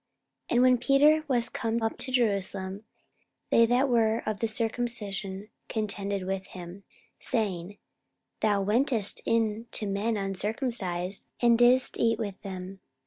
44:011:002 And when Peter was come up to Jerusalem, they that were of the circumcision contended with him, 44:011:003 Saying, Thou wentest in to men uncircumcised, and didst eat with them.